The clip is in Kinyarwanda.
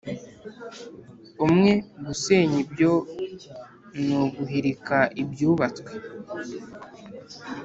umwe gusenya byo ni uguhirika ibyubatswe